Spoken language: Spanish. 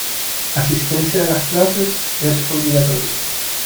Asistencia de las clases es obligatoria.